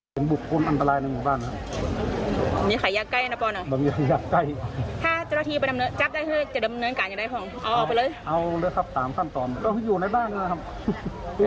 ลูกเมียยังมาข้าวโรคแต่นิสัยแก้เป็นมันเร็งกิเล